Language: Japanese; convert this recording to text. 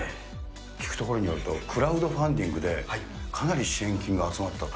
聞くところによると、クラウドファンディングでかなり支援金が集まったと。